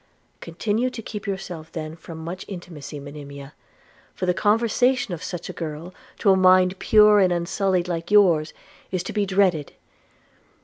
'Continue to keep yourself then from much intimacy, Monimia; for the conversation of such a girl, to a mind pure and unsullied like yours, is to be dreaded.